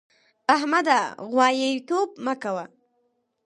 احمده! غواييتوب مه کوه.